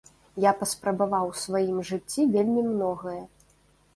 Я паспрабаваў у сваім жыцці вельмі многае.